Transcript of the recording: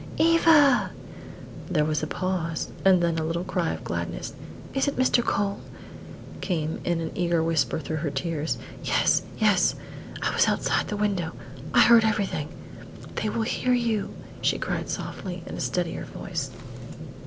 Eva!" There was a pause, and then a little cry of gladness. "Is it Mr. Cole?" came in an eager whisper through her tears. "Yes! yes! I was outside the window. I heard everything." "They will hear you!" she cried softly, in a steadier voice.